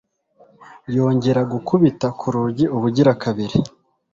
yongera gukubita ku rugi ubugira kabiri